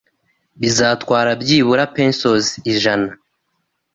Bizatwara byibuze pesos ijana.